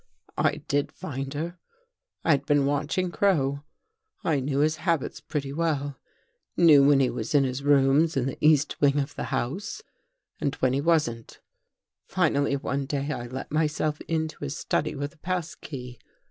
" I did find her. I had been watching Crow. I knew his habits pretty well — knew when he was in his rooms in the east wing of the house and when he wasn't. Finally one day, I let myself into his study with a pass key.